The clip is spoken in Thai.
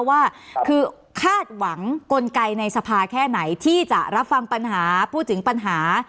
ว่าคือคาดหวังกลไกในสภาแค่ไหนที่จะรับฟังปัญหาพูดถึงปัญหา